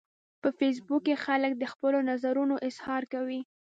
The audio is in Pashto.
په فېسبوک کې خلک د خپلو نظرونو اظهار کوي